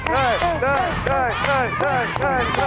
ได้